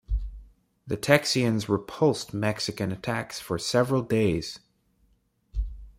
The Texians repulsed Mexican attacks for several days.